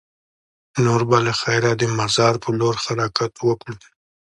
نور به له خیره د مزار په لور حرکت وکړو.